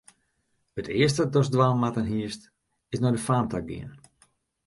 It earste datst dwaan moatten hiest, is nei de faam ta gean.